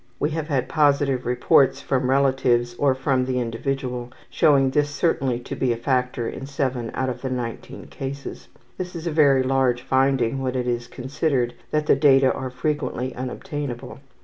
We have had positive reports from relatives or from the individual showing this certainly to be a factor in 7 out of the 19 cases. This is a very large finding, when it is considered that the data are frequently unobtainable.